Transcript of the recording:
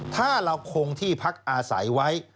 ถ้าเราคงที่พักอาศัยไว้